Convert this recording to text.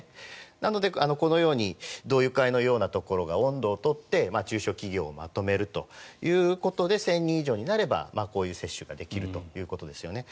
なので、このように同友会のようなところが音頭を取って中小企業をまとめるということで１０００人以上になればこういう接種ができるということですね。